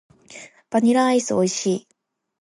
バニラアイス美味しい。